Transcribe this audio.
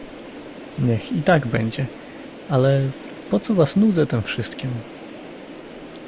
"Niech i tak będzie, ale po co was nudzę tem wszystkiem?"